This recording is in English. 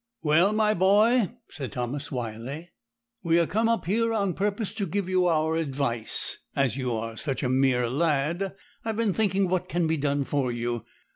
'Well, my boy,' said Thomas Wyley, 'we are come up here on purpose to give you our advice, as you are such a mere lad. I've been thinking what can be done for you.